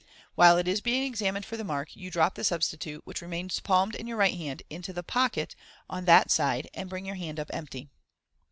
While it is being examined for the mark, you drop the substitute, which remains palmed in your right hand, into the pocket ) on that side, and bring up your hand empty.